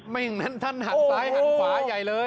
อย่างนั้นท่านหันซ้ายหันขวาใหญ่เลย